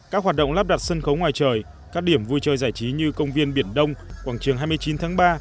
các hoạt động lắp đặt sân khấu ngoài trời các điểm vui chơi giải trí như công viên biển đông quảng trường hai mươi chín tháng ba